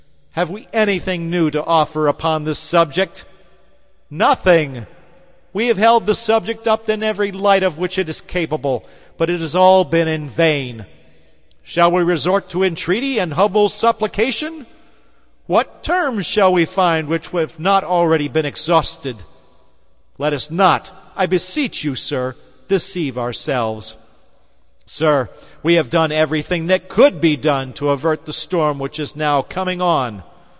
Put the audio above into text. Have we anything new to offer upon the subject? Nothing. We have held the subject up in every light of which it is capable; but it has been all in vain. Shall we resort to entreaty and humble supplication? What terms shall we find which have not been already exhausted? Let us not, I beseech you, sir, deceive ourselves. Sir, we have done everything that could be done to avert the storm which is now coming on.